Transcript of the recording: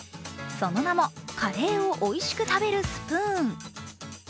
その名もカレーを美味しく食べるスプーン。